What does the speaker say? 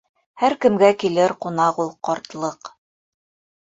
Һәр кемгә килер ҡунаҡ ул — ҡартлыҡ.